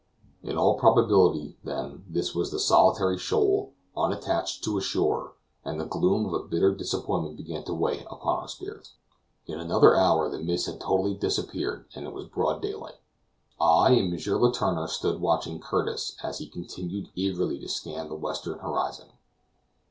In all probability, then, this was a solitary shoal, unattached to a shore, and the gloom of a bitter disappointment began to weigh upon our spirits. In another hour the mists had totally disappeared, and it was broad daylight. I and M. Letourneur stood watching Curtis as he continued eagerly to scan the western horizon.